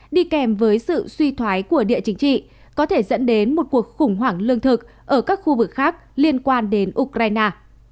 đi kèm với sự suy thoái của địa chính trị có thể dẫn đến một cuộc khủng hoảng lương thực ở các khu vực khác liên quan đến ukraine